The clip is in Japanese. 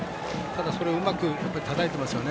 それをうまくたたいていますね